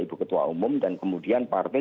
ibu ketua umum dan kemudian partai